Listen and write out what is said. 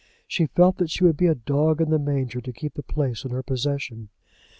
She felt that she would be a dog in the manger to keep the place in her own possession.